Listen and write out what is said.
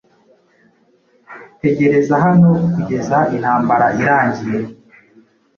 Tegereza hano kugeza intambara irangiye